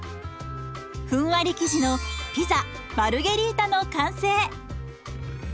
ふんわり生地のピザ・マルゲリータの完成。